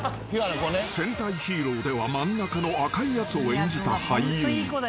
［戦隊ヒーローでは真ん中の赤いやつを演じた俳優］